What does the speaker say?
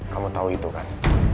kamu tahu itu kan